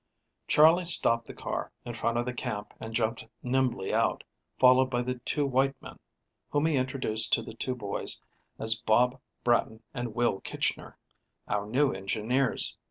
CHARLEY stopped the car in front of the camp and jumped nimbly out, followed by the two white men, whom he introduced to the two boys as "Bob Bratten and Will Kitchner, our new engineers."